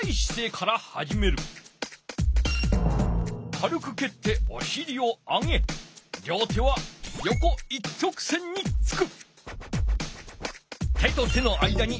かるくけっておしりを上げ両手はよこ一直線につく。